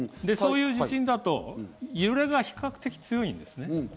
そういう地震だと揺れが比較的強いんですね。